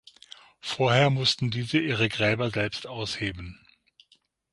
Vorher mussten diese ihre Gräber selbst ausheben.